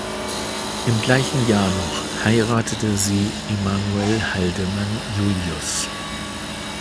Im gleichen Jahr noch heiratete sie Emanuel Haldeman-Julius.